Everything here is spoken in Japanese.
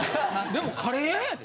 でもカレー屋やで？